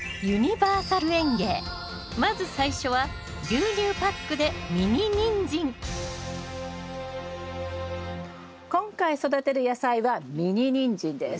まず最初は今回育てる野菜はミニニンジンです。